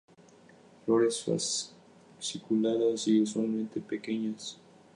Flores fasciculadas y usualmente pequeñas.